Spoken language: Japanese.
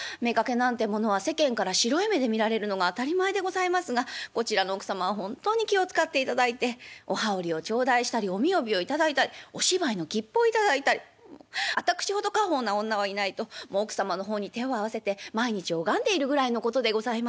妾なんてものは世間から白い目で見られるのが当たり前でございますがこちらの奥様は本当に気を遣っていただいてお羽織を頂戴したりおみ帯を頂いたりお芝居の切符を頂いたり私ほど果報な女はいないともう奥様の方に手を合わせて毎日拝んでいるぐらいのことでございます」。